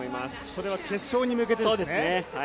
それは決勝に向けてですね。